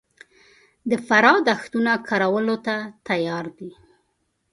د فراه دښتونه کرلو ته تیار دي